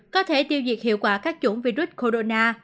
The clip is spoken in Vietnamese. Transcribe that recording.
có thể tiêu diệt hiệu quả các chủng virus corona